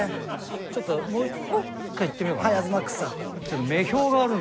ちょっともう１回いってみようかな。